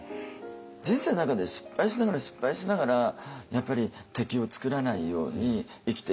人生の中で失敗しながら失敗しながらやっぱり敵を作らないように生きていかなきゃいけない。